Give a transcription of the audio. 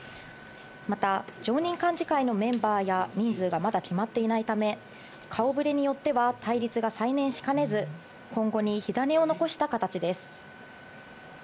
また、常任幹事会のメンバーや人数がまだ決まっていないため、顔ぶれによっては、対立が再燃しかねず、今後に火種を残した形です。